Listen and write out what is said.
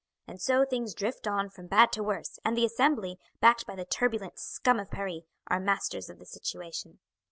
And so things drift on from bad to worse, and the Assembly, backed by the turbulent scum of Paris, are masters of the situation."